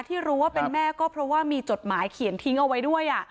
ที่รู้ว่าเป็นแม่ก็เพราะว่ามีจดหมายเขียนทิ้งเอาไว้ด้วย